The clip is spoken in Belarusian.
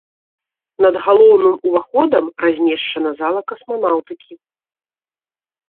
Над галоўным уваходам размешчана зала касманаўтыкі.